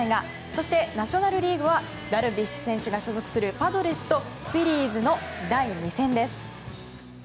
そしてナショナル・リーグはダルビッシュ選手が所属するパドレスとフィリーズの第２戦です。